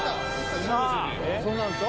そうなると？